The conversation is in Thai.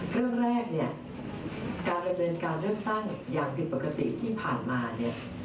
เรื่องแรกเนี่ยการดำเนินการเลือกตั้งอย่างผิดปกติที่ผ่านมาเนี่ย